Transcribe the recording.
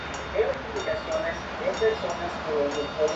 La mofeta se acerca rápidamente y la abraza, pero la gata cae al vacío.